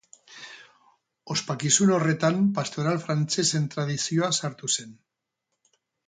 Ospakizun horretan pastoral frantsesen tradizioa sartu zen.